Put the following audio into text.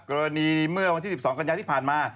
กรณีเมื่อว่างที่๑๒กรณะที่ผ่านมา